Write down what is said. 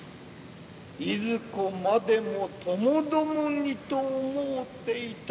いずこまでもともどもにと思うていたなれ